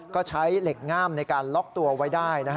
ก็ใช้เหล็กง่ามในการล็อกตัวไว้ได้